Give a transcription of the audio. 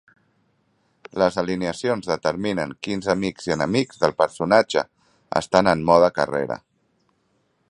Les alineacions determinen quins amics i enemics del personatge estan en mode carrera.